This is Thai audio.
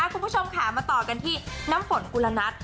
คุณผู้ชมค่ะมาต่อกันที่น้ำฝนกุลนัท